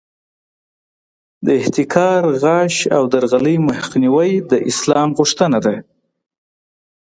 د احتکار، غش او درغلۍ مخنیوی د اسلام غوښتنه ده.